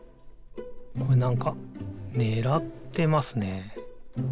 これなんかねらってますね。